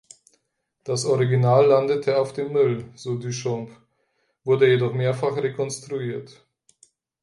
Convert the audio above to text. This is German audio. Das Original landete auf dem Müll, so Duchamp, wurde jedoch mehrfach rekonstruiert.